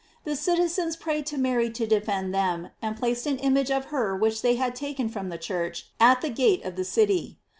The citizens prayed to Mary to defend them, and placed an image of her which they had taken from the church, at the gate of the city.